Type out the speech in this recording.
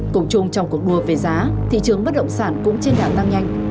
cùng chung trong cuộc đua về giá thị trường bất động sản cũng trên đà tăng nhanh